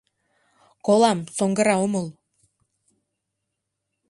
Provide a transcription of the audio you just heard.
Колам, соҥгыра омыл!